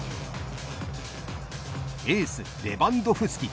エース、レバンドフスキ